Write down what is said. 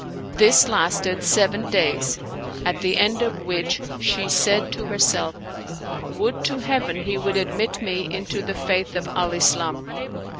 This lasted seven days, at the end of which she said to herself, "Would to Heaven he would admit me into the Faith of Al Islam!"